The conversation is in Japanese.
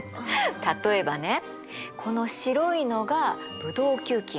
例えばねこの白いのがブドウ球菌。